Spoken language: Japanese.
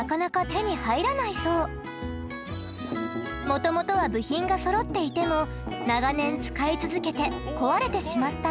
もともとは部品がそろっていても長年使い続けて壊れてしまった楽器。